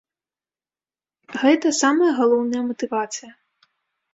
Гэта самая галоўная матывацыя.